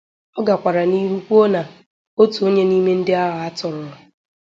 Ọ gakwara n'ihu kwuo na otu onye n'ime ndị ahụ a tọọrọ